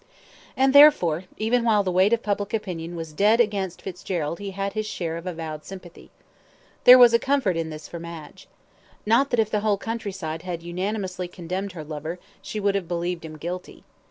And therefore, even while the weight of public opinion was dead against Fitzgerald he had his share of avowed sympathy. There was a comfort in this for Madge. Not that if the whole countryside had unanimously condemned her lover she would have believed him guilty.